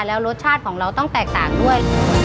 แล้วรสชาติของเราต้องแตกต่างด้วย